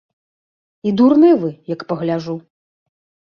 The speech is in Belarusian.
І дурны вы, як пагляджу.